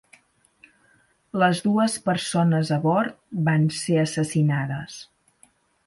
Les dues persones a bord van ser assassinades.